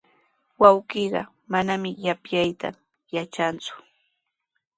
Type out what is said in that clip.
Wawqiiqa manami yapyayta yatranku.